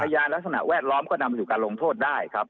ยาลักษณะแวดล้อมก็นำสู่การลงโทษได้ครับ